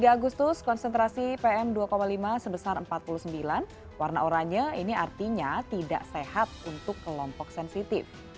dua puluh tiga agustus konsentrasi pm dua lima sebesar lima puluh tiga dimana warna oranye ini artinya tidak sehat untuk kelompok sensitif